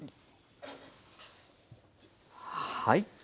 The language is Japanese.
はい。